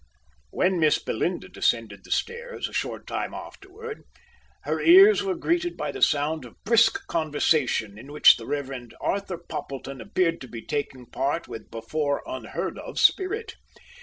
When Miss Belinda descended the stairs, a short time afterward, her ears were greeted by the sound of brisk conversation, in which the Rev. Arthur Poppleton appeared to be taking part with before unheard of spirit.